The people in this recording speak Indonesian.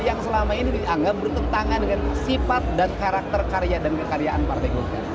yang selama ini dianggap bertentangan dengan sifat dan karakter karya dan kekaryaan partai golkar